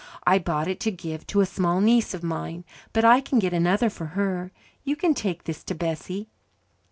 "I bought it to give to a small niece of mine, but I can get another for her. You may take this to Bessie."